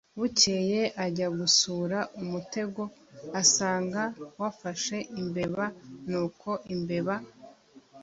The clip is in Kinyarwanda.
bukeye ajya gusura umutego asanga wafashe imbeba nuko imbeba